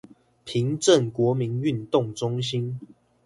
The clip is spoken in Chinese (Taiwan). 平鎮國民運動中心